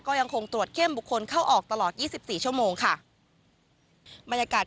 ก็ยังคงตรวจเข้มบุคคลเข้าออกตลอด๒๔ชั่วโมงค่ะบรรยากาศ